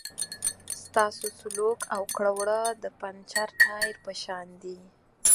ستاسو سلوک او کړه وړه د پنچر ټایر په شان دي.